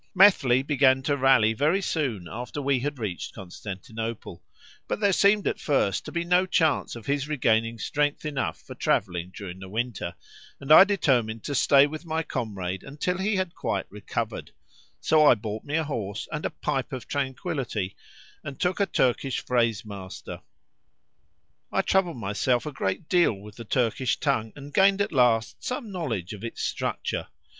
Methley began to rally very soon after we had reached Constantinople; but there seemed at first to be no chance of his regaining strength enough for travelling during the winter, and I determined to stay with my comrade until he had quite recovered; so I bought me a horse, and a "pipe of tranquillity," and took a Turkish phrase master. I troubled myself a great deal with the Turkish tongue, and gained at last some knowledge of its structure.